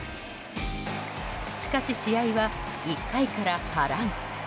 しかし、試合は１回から波乱。